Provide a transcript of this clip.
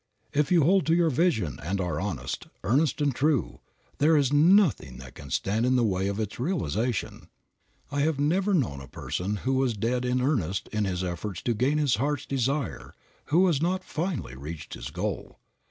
If you hold to your vision and are honest, earnest and true, there is nothing that can stand in the way of its realization. I have never known a person who was dead in earnest in his efforts to gain his heart's desire who has not finally reached his goal.